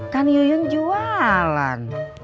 kan yuyun jualan